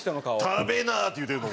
「食べな」って言うてるの？